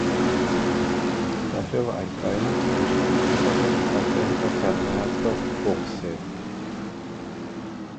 Dafür war ein kleiner, zwischen den Hinterrädern aufgehängter Kernreaktor vorgesehen.